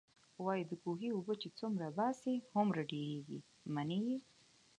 وايي د کوهي اوبه چې څومره باسې، هومره ډېرېږئ. منئ يې؟